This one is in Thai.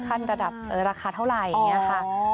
ค่านระดับราคาเท่าไหร่